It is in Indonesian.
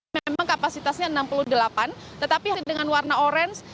memang kapasitasnya enam puluh delapan tetapi dengan warna orange